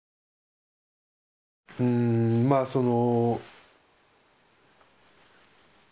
んまあその。